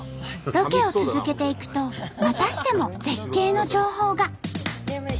ロケを続けていくとまたしても絶景の情報が。